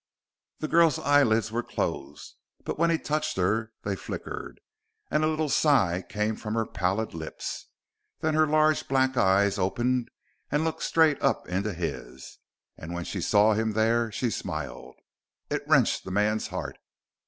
The girl's eyelids were closed, but when he touched her, they flickered, and a little sigh came from her pallid lips. Then her large black eyes, opened and looked up straight into his and when she saw him there, she smiled. It wrenched the man's heart.